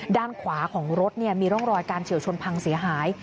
ด้านขวาของรถมีร่องรอยการเฉียวชนพังเสียหาย